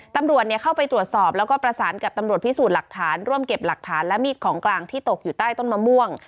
ตำรวจเข้าไปตรวจสอบแล้วก็ประสานกับตำรวจพิสูจน์หลักฐานร่วมเก็บหลักฐานและมีดของกลางที่ตกอยู่ใต้ต้นมะม่วง